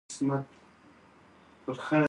پسه د افغانستان د ناحیو ترمنځ تفاوتونه راولي.